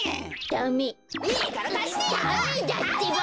ダメだってば！